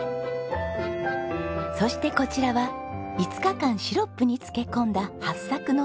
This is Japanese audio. そしてこちらは５日間シロップに漬け込んだハッサクの皮。